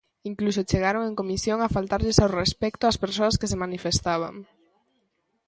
Incluso chegaron en comisión a faltarlles ao respecto ás persoas que se manifestaban.